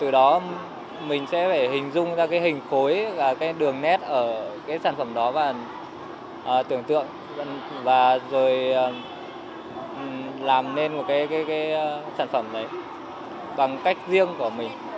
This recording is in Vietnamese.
từ đó mình sẽ phải hình dung ra cái hình khối và cái đường nét ở cái sản phẩm đó và tưởng tượng và rồi làm nên một cái sản phẩm đấy bằng cách riêng của mình